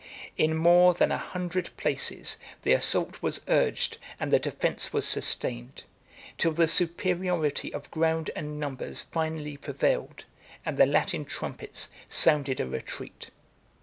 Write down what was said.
In more than a hundred places, the assault was urged, and the defence was sustained; till the superiority of ground and numbers finally prevailed, and the Latin trumpets sounded a retreat.